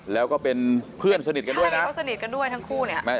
แล้วก็เป็นเพื่อนสนิทกันด้วยนะเขาสนิทกันด้วยทั้งคู่เนี่ย